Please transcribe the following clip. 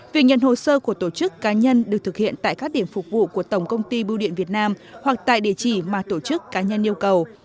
việc nhận hồ sơ của tổ chức cá nhân được thực hiện tại các điểm phục vụ của tổng công ty bưu điện việt nam hoặc tại địa chỉ mà tổ chức cá nhân yêu cầu